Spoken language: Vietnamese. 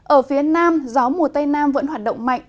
ở phía nam gió mùa tây nam vẫn hoạt động mạnh